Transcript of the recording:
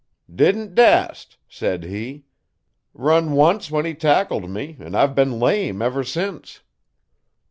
'"Didn't dast," said he. "Run once when he tackled me an I've been lame ever since."